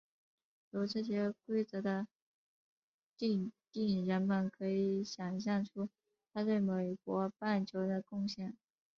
由这些规则的订定人们可以想像出他对美国棒球的贡献。